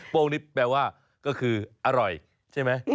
้งนี่แปลว่าก็คืออร่อยใช่ไหม